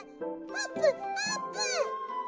あぷんあーぷん！